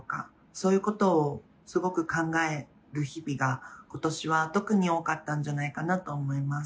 そういうことをすごく考えてる日々が、ことしは特に多かったんじゃないかなと思います。